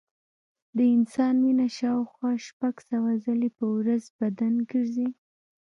د انسان وینه شاوخوا شپږ سوه ځلې په ورځ بدن ګرځي.